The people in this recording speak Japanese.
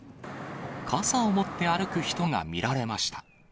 傘を持って歩く人が見られました。